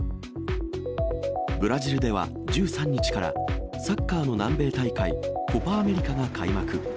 ブラジルでは１３日から、サッカーの南米大会、コパ・アメリカが開幕。